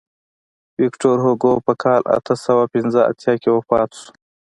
ویکتور هوګو په کال اته سوه پنځه اتیا کې وفات شو.